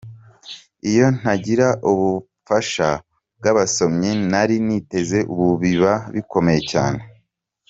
Iyo ntagira ubufasha bw’abasomyi ntari niteze, ubu biba bikomeye cyane.